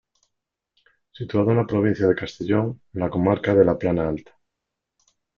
Situado en la provincia de Castellón, en la comarca de la Plana Alta.